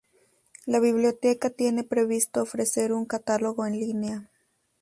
La biblioteca tiene previsto ofrecer un catálogo en línea.